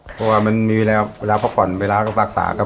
เพราะว่ามันมีเวลาพักผ่อนเวลาก็รักษาครับ